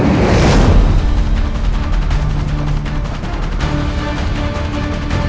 mereka juga mendapatkan saat yang sesuai